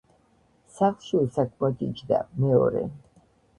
სახლში უსაქმოდ იჯდა. მეორე